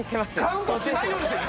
カウントしないようにしてる！